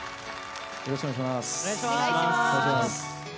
よろしくお願いします。